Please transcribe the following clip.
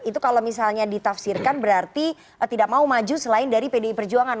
itu kalau misalnya ditafsirkan berarti tidak mau maju selain dari pdi perjuangan